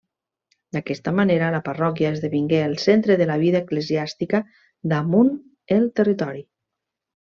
D'aquesta manera, la parròquia esdevingué el centre de la vida eclesiàstica damunt el territori.